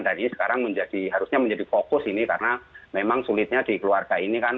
jadi sekarang harusnya menjadi fokus ini karena memang sulitnya di keluarga ini kan